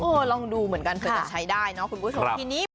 เออลองดูเหมือนกันเธอจะใช้ได้เนาะคุณพุทธสนุกทีนี้